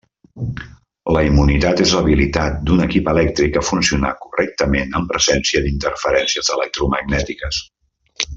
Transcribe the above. La immunitat és l'habilitat d'un equip elèctric a funcionar correctament en presència d'interferències electromagnètiques.